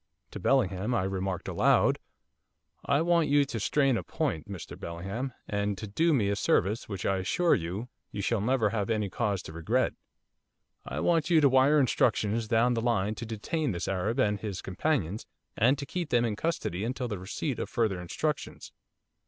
To Bellingham I remarked aloud: 'I want you to strain a point, Mr Bellingham, and to do me a service which I assure you you shall never have any cause to regret. I want you to wire instructions down the line to detain this Arab and his companions and to keep them in custody until the receipt of further instructions.